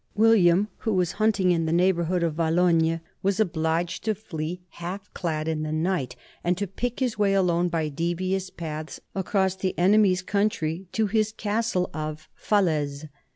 William, who was hunting in the neighborhood of Valognes, was obliged to flee half clad in the night and to pick his way alone by devious paths across the enemy's country to his castle of Falaise.